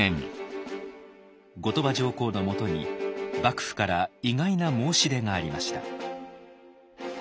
後鳥羽上皇のもとに幕府から意外な申し出がありました。